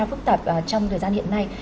phức tạp trong thời gian hiện nay